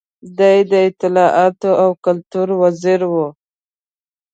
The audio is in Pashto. دی د اطلاعاتو او کلتور وزیر و.